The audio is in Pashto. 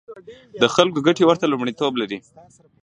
د خلکو ګټې ورته لومړیتوب لري.